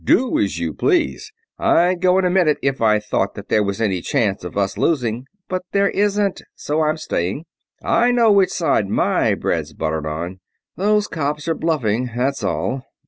"Do as you please. I'd go in a minute if I thought that there was any chance of us losing; but there isn't, so I'm staying. I know which side my bread's buttered on. Those cops are bluffing, that's all.